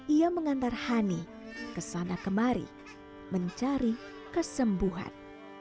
ia mengantar hani kesana kemari mencari kesembuhan